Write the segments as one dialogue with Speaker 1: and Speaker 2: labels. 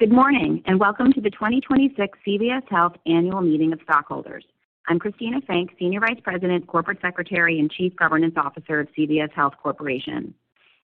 Speaker 1: Good morning, welcome to the 2026 CVS Health annual meeting of stockholders. I'm Kristina Fink, Senior Vice President, Corporate Secretary, and Chief Governance Officer of CVS Health Corporation.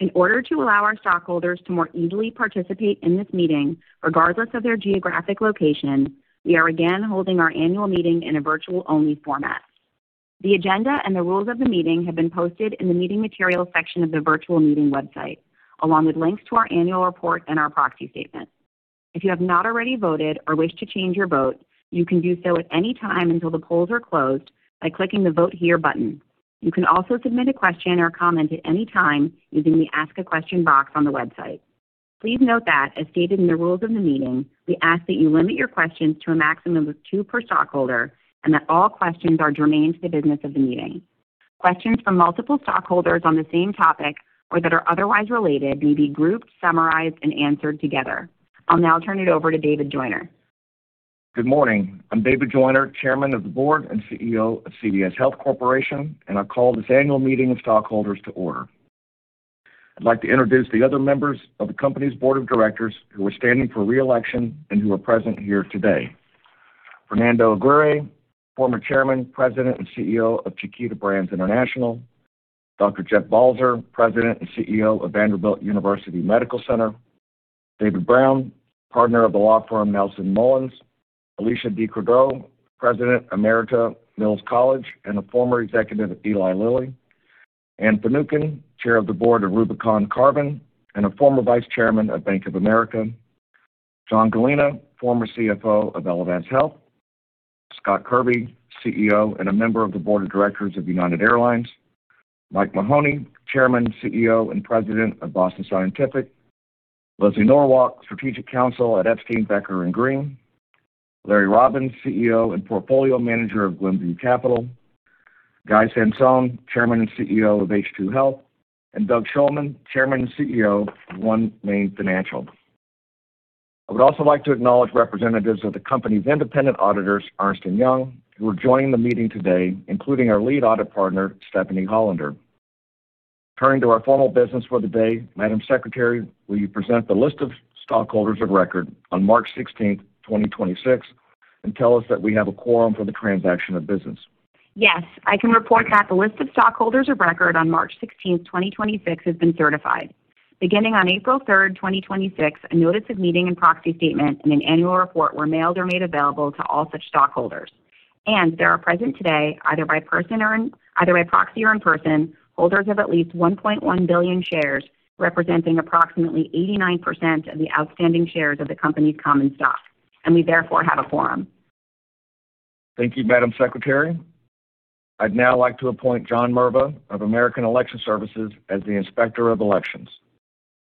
Speaker 1: In order to allow our stockholders to more easily participate in this meeting, regardless of their geographic location, we are again holding our annual meeting in a virtual-only format. The agenda and the rules of the meeting have been posted in the Meeting Materials section of the virtual meeting website, along with links to our annual report and our proxy statement. If you have not already voted or wish to change your vote, you can do so at any time until the polls are closed by clicking the Vote Here button. You can also submit a question or comment at any time using the Ask a Question box on the website. Please note that, as stated in the rules of the meeting, we ask that you limit your questions to a maximum of two per stockholder and that all questions are germane to the business of the meeting. Questions from multiple stockholders on the same topic or that are otherwise related may be grouped, summarized, and answered together. I'll now turn it over to David Joyner.
Speaker 2: Good morning. I'm David Joyner, Chairman of the Board and CEO of CVS Health Corporation, and I call this annual meeting of stockholders to order. I'd like to introduce the other members of the company's Board of Directors who are standing for re-election and who are present here today. Fernando Aguirre, former Chairman, President, and CEO of Chiquita Brands International. Jeffrey Balser, President and CEO of Vanderbilt University Medical Center. David Brown, partner of the law firm Nelson Mullins. Alecia A. DeCoudreaux, President Emerita, Mills College, and a former executive at Eli Lilly. Anne Finucane, Chair of the Board of Rubicon Carbon and a former Vice Chairman at Bank of America. John Gallina, former CFO of Elevance Health. Scott Kirby, CEO and a member of the Board of Directors of United Airlines. Mike Mahoney, Chairman, CEO, and President of Boston Scientific. Leslie Norwalk, Strategic Counsel at Epstein, Becker & Green. Larry Robbins, CEO and Portfolio Manager of Glenview Capital. Guy Sansone, Chairman and CEO of H2 Health. Doug Shulman, Chairman and CEO of OneMain Financial. I would also like to acknowledge representatives of the company's independent auditors, Ernst & Young, who are joining the meeting today, including our Lead Audit Partner, Stephanie Hollander. Turning to our formal business for the day, Madam Secretary, will you present the list of stockholders of record on March 16th, 2026, and tell us that we have a quorum for the transaction of business?
Speaker 1: Yes. I can report that the list of stockholders of record on March 16, 2026, has been certified. Beginning on April 3, 2026, a notice of meeting and proxy statement and an annual report were mailed or made available to all such stockholders. There are present today, either by proxy or in person, holders of at least 1.1 billion shares, representing approximately 89% of the outstanding shares of the company's common stock, and we therefore have a quorum.
Speaker 2: Thank you, Madam Secretary. I'd now like to appoint John Merva of American Election Services as the inspector of elections.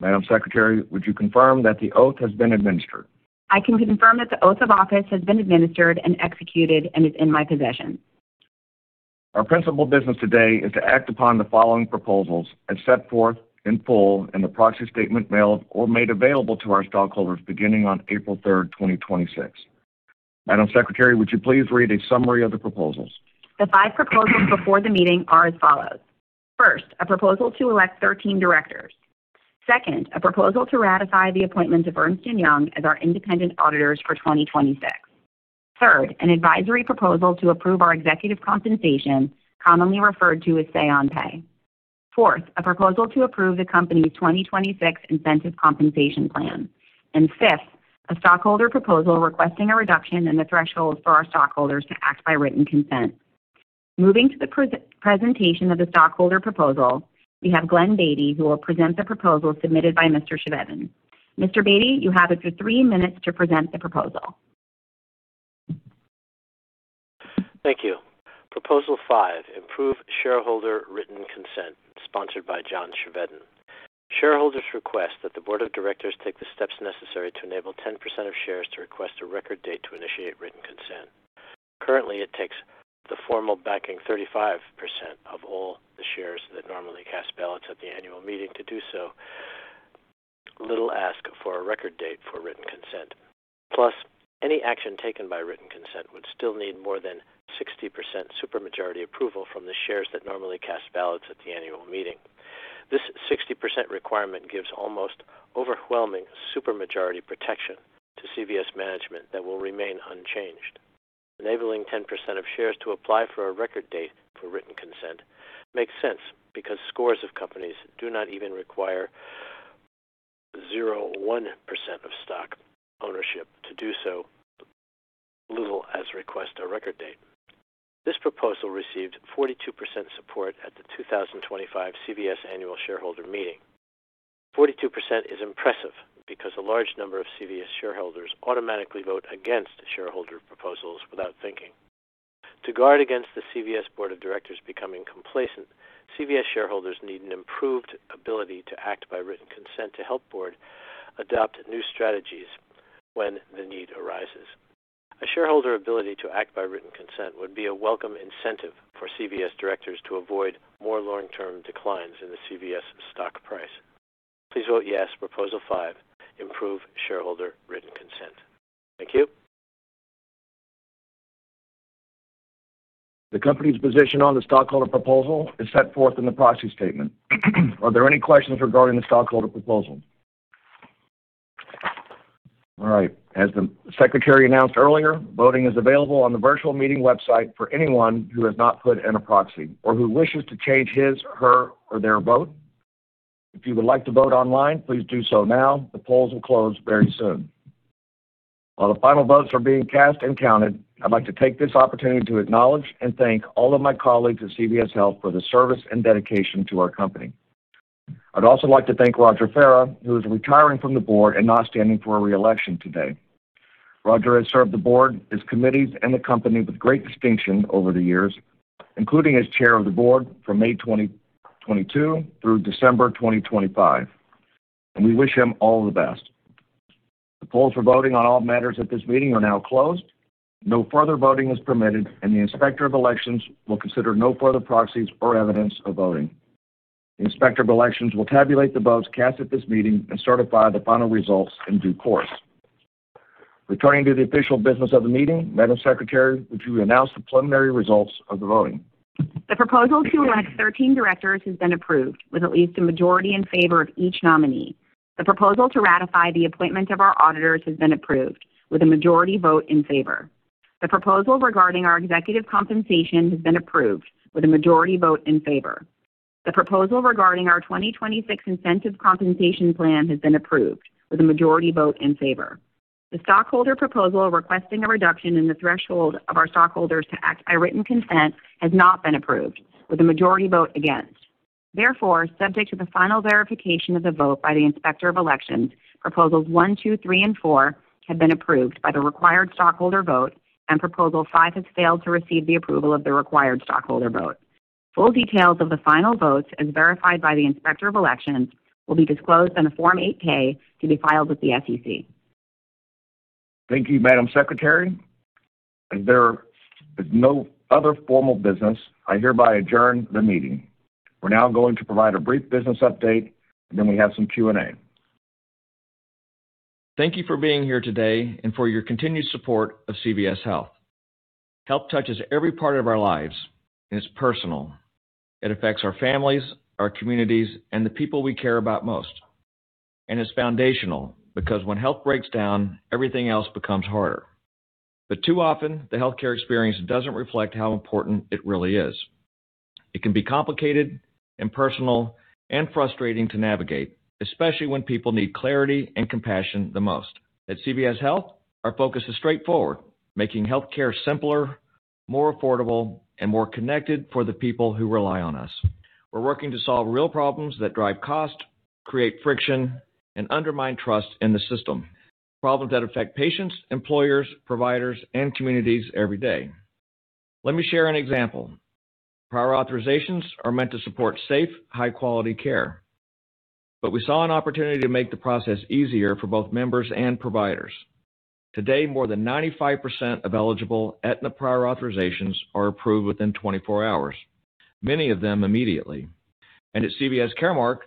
Speaker 2: Madam Secretary, would you confirm that the oath has been administered?
Speaker 1: I can confirm that the oath of office has been administered and executed and is in my possession.
Speaker 2: Our principal business today is to act upon the following proposals as set forth in full in the proxy statement mailed or made available to our stockholders beginning on April 3rd, 2026. Madam Secretary, would you please read a summary of the proposals?
Speaker 1: The five proposals before the meeting are as follows. First, a proposal to elect 13 directors. Second, a proposal to ratify the appointment of Ernst & Young as our independent auditors for 2026. Third, an advisory proposal to approve our executive compensation, commonly referred to as say on pay. Fourth, a proposal to approve the company's 2026 incentive compensation plan. Fifth, a stockholder proposal requesting a reduction in the threshold for our stockholders to act by written consent. Moving to the presentation of the stockholder proposal, we have Glen Beatty, who will present the proposal submitted by Mr. Chevedden. Mr. Beatty, you have up to three minutes to present the proposal.
Speaker 3: Thank you. Proposal five, improve shareholder written consent, sponsored by John Chevedden. Shareholders request that the board of directors take the steps necessary to enable 10% of shares to request a record date to initiate written consent. Currently, it takes the formal backing 35% of all the shares that normally cast ballots at the annual meeting to do so, little ask for a record date for written consent. Any action taken by written consent would still need more than 60% super majority approval from the shares that normally cast ballots at the annual meeting. This 60% requirement gives almost overwhelming super majority protection to CVS management that will remain unchanged. Enabling 10% of shares to apply for a record date for written consent makes sense because scores of companies do not even require 0.1% of stock ownership to do so, little as request a record date. This proposal received 42% support at the 2025 CVS annual shareholder meeting. 42% is impressive because a large number of CVS shareholders automatically vote against shareholder proposals without thinking. To guard against the CVS board of directors becoming complacent, CVS shareholders need an improved ability to act by written consent to help board adopt new strategies when the need arises. A shareholder ability to act by written consent would be a welcome incentive for CVS directors to avoid more long-term declines in the CVS stock price. Please vote yes, proposal five, improve shareholder written consent. Thank you.
Speaker 2: The company's position on the stockholder proposal is set forth in the proxy statement. Are there any questions regarding the stockholder proposal? All right. As the secretary announced earlier, voting is available on the virtual meeting website for anyone who has not put in a proxy or who wishes to change his, her, or their vote. If you would like to vote online, please do so now. The polls will close very soon. While the final votes are being cast and counted, I'd like to take this opportunity to acknowledge and thank all of my colleagues at CVS Health for the service and dedication to our company. I'd also like to thank Roger Farah, who is retiring from the board and not standing for a re-election today. Roger Farah has served the board, its committees, and the company with great distinction over the years, including as chair of the board from May 2022 through December 2025, and we wish him all the best. The polls for voting on all matters at this meeting are now closed. No further voting is permitted, and the Inspector of Election will consider no further proxies or evidence of voting. The Inspector of Election will tabulate the votes cast at this meeting and certify the final results in due course. Returning to the official business of the meeting, Madam Secretary, would you announce the preliminary results of the voting?
Speaker 1: The proposal to elect 13 directors has been approved, with at least a majority in favor of each nominee. The proposal to ratify the appointment of our auditors has been approved with a majority vote in favor. The proposal regarding our executive compensation has been approved with a majority vote in favor. The proposal regarding our 2026 incentive compensation plan has been approved with a majority vote in favor. The stockholder proposal requesting a reduction in the threshold of our stockholders to act by written consent has not been approved with a majority vote against. Subject to the final verification of the vote by the Inspector of Election, proposals one, two, three, and four have been approved by the required stockholder vote, and Proposal five has failed to receive the approval of the required stockholder vote. Full details of the final votes, as verified by the Inspector of Elections, will be disclosed on a Form 8-K to be filed with the SEC.
Speaker 2: Thank you, Madam Secretary. As there is no other formal business, I hereby adjourn the meeting. We're now going to provide a brief business update, and then we have some Q&A. Thank you for being here today and for your continued support of CVS Health. Health touches every part of our lives, it's personal. It affects our families, our communities, and the people we care about most. It's foundational because when health breaks down, everything else becomes harder. Too often, the healthcare experience doesn't reflect how important it really is. It can be complicated and personal and frustrating to navigate, especially when people need clarity and compassion the most. At CVS Health, our focus is straightforward, making healthcare simpler, more affordable, and more connected for the people who rely on us. We're working to solve real problems that drive cost, create friction, and undermine trust in the system, problems that affect patients, employers, providers, and communities every day. Let me share an example. Prior authorizations are meant to support safe, high-quality care, but we saw an opportunity to make the process easier for both members and providers. Today, more than 95% of eligible Aetna prior authorizations are approved within 24 hours, many of them immediately. At CVS Caremark,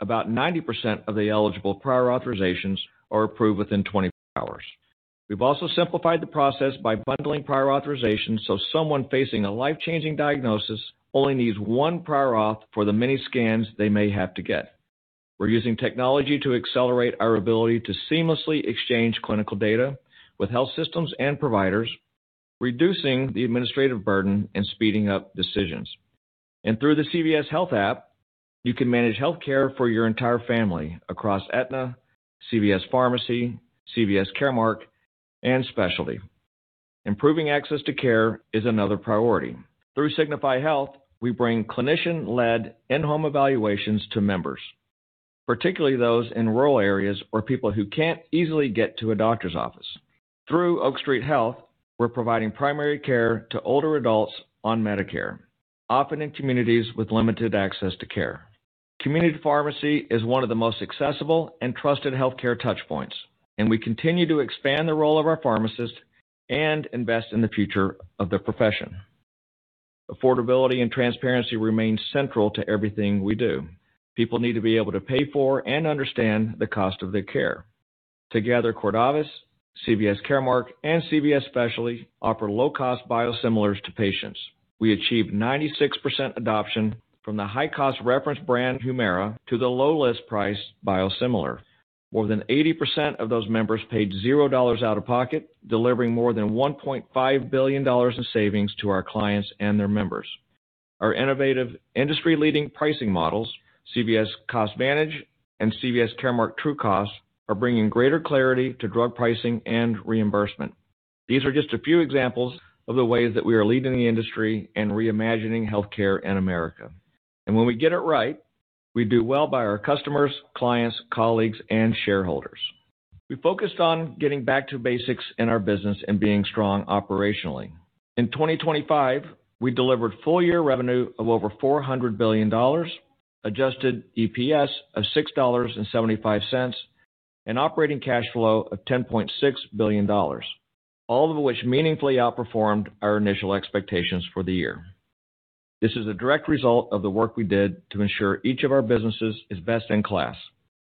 Speaker 2: about 90% of the eligible prior authorizations are approved within 24 hours. We've also simplified the process by bundling prior authorizations, so someone facing a life-changing diagnosis only needs one prior auth for the many scans they may have to get. We're using technology to accelerate our ability to seamlessly exchange clinical data with health systems and providers, reducing the administrative burden and speeding up decisions. Through the CVS Health app, you can manage healthcare for your entire family across Aetna, CVS Pharmacy, CVS Caremark, and CVS Specialty. Improving access to care is another priority. Through Signify Health, we bring clinician-led in-home evaluations to members, particularly those in rural areas or people who can't easily get to a doctor's office. Through Oak Street Health, we're providing primary care to older adults on Medicare, often in communities with limited access to care. Community pharmacy is one of the most accessible and trusted healthcare touch points, and we continue to expand the role of our pharmacists and invest in the future of the profession. Affordability and transparency remains central to everything we do. People need to be able to pay for and understand the cost of their care. Together, Cordavis, CVS Caremark, and CVS Specialty offer low-cost biosimilars to patients. We achieved 96% adoption from the high-cost reference brand HUMIRA to the low list price biosimilar. More than 80% of those members paid $0 out of pocket, delivering more than $1.5 billion in savings to our clients and their members. Our innovative industry-leading pricing models, CVS CostVantage and CVS Caremark TrueCost, are bringing greater clarity to drug pricing and reimbursement. These are just a few examples of the ways that we are leading the industry and reimagining healthcare in America. When we get it right, we do well by our customers, clients, colleagues, and shareholders. We focused on getting back to basics in our business and being strong operationally. In 2025, we delivered full-year revenue of over $400 billion, adjusted EPS of $6.75, and operating cash flow of $10.6 billion, all of which meaningfully outperformed our initial expectations for the year. This is a direct result of the work we did to ensure each of our businesses is best in class.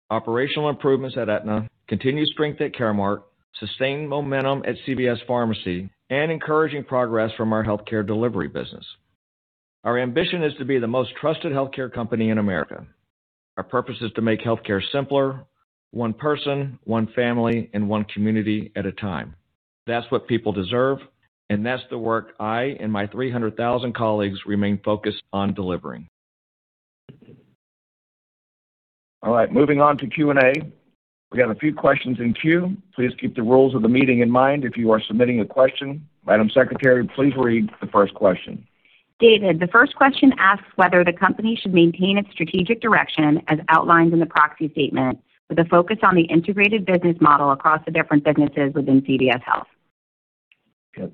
Speaker 2: Operational improvements at Aetna, continued strength at Caremark, sustained momentum at CVS Pharmacy, and encouraging progress from our healthcare delivery business. Our ambition is to be the most trusted healthcare company in America. Our purpose is to make healthcare simpler, one person, one family, and one community at a time. That's what people deserve, and that's the work I and my 300,000 colleagues remain focused on delivering. All right, moving on to Q&A. We have a few questions in queue. Please keep the rules of the meeting in mind if you are submitting a question. Madam Secretary, please read the first question.
Speaker 1: David, the first question asks whether the company should maintain its strategic direction as outlined in the proxy statement, with a focus on the integrated business model across the different businesses within CVS Health.
Speaker 2: Okay.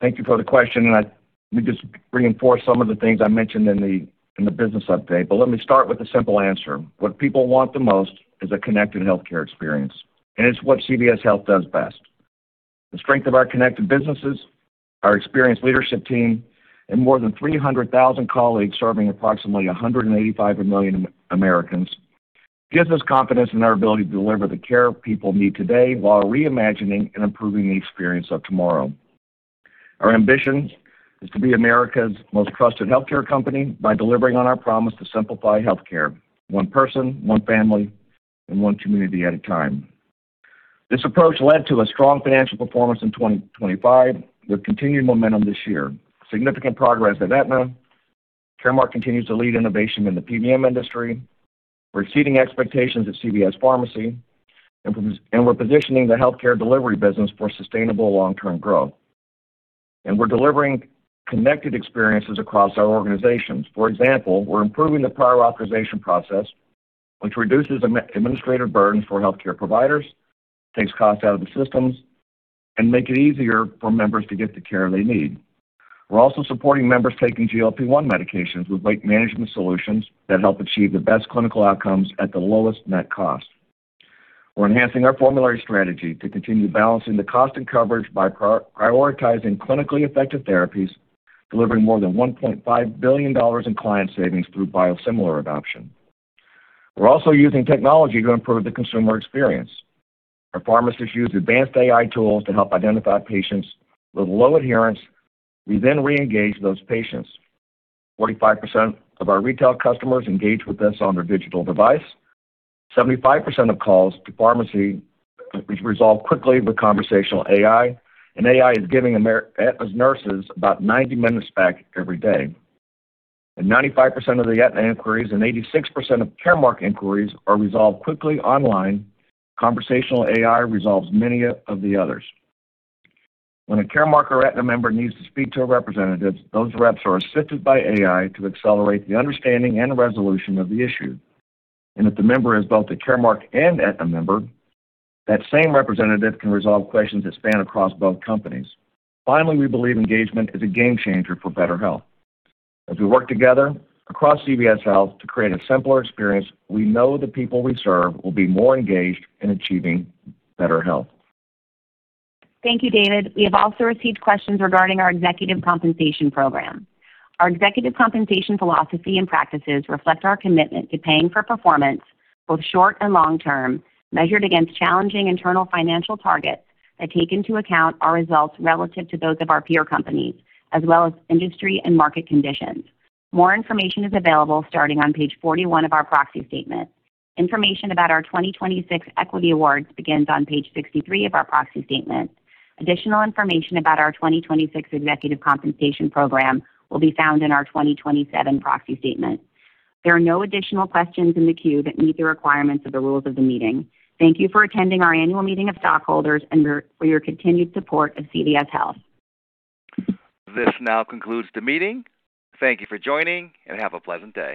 Speaker 2: Thank you for the question. Let me just reinforce some of the things I mentioned in the, in the business update. Let me start with a simple answer. What people want the most is a connected healthcare experience, and it's what CVS Health does best. The strength of our connected businesses, our experienced leadership team, and more than 300,000 colleagues serving approximately 185 million Americans gives us confidence in our ability to deliver the care people need today while reimagining and improving the experience of tomorrow. Our ambition is to be America's most trusted healthcare company by delivering on our promise to simplify healthcare, one person, one family, and one community at a time. This approach led to a strong financial performance in 2025, with continued momentum this year. Significant progress at Aetna. Caremark continues to lead innovation in the PBM industry. We're exceeding expectations at CVS Pharmacy, we're positioning the healthcare delivery business for sustainable long-term growth. We're delivering connected experiences across our organizations. For example, we're improving the prior authorization process, which reduces administrative burden for healthcare providers, takes cost out of the systems, and make it easier for members to get the care they need. We're also supporting members taking GLP-1 medications with weight management solutions that help achieve the best clinical outcomes at the lowest net cost. We're enhancing our formulary strategy to continue balancing the cost and coverage by prioritizing clinically effective therapies, delivering more than $1.5 billion in client savings through biosimilar adoption. We're also using technology to improve the consumer experience. Our pharmacists use advanced AI tools to help identify patients with low adherence. We reengage those patients. 45% of our retail customers engage with us on their digital device. 75% of calls to pharmacy resolve quickly with conversational AI is giving Aetna's nurses about 90 minutes back every day. 95% of the Aetna inquiries and 86% of Caremark inquiries are resolved quickly online. Conversational AI resolves many of the others. When a Caremark or Aetna member needs to speak to a representative, those reps are assisted by AI to accelerate the understanding and resolution of the issue. If the member is both a Caremark and Aetna member, that same representative can resolve questions that span across both companies. Finally, we believe engagement is a game changer for better health. As we work together across CVS Health to create a simpler experience, we know the people we serve will be more engaged in achieving better health.
Speaker 1: Thank you, David. We have also received questions regarding our executive compensation program. Our executive compensation philosophy and practices reflect our commitment to paying for performance, both short and long term, measured against challenging internal financial targets that take into account our results relative to those of our peer companies, as well as industry and market conditions. More information is available starting on page 41 of our proxy statement. Information about our 2026 equity awards begins on page 63 of our proxy statement. Additional information about our 2026 executive compensation program will be found in our 2027 proxy statement. There are no additional questions in the queue that meet the requirements of the rules of the meeting. Thank you for attending our annual meeting of stockholders for your continued support of CVS Health.
Speaker 2: This now concludes the meeting. Thank you for joining. Have a pleasant day.